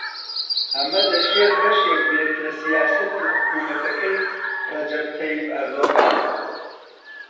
ئەمە دەشێت بەشێک بێت لە سیاسەتی حکوومەتەکەی ڕەجەب تەیب ئەردۆغان